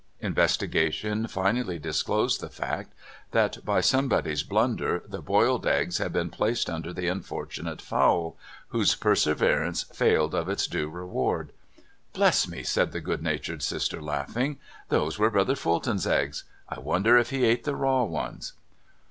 Investigation finally disclosed the fact that by somebody's blunder the boiled eggs had been placed under the unfortunate fowl, whose perseverance failed of its due reward. *' Bless me I " said the good natured sister, laughing, these were Brother Ful ton's eggs. I wonder if he ate the raw ones?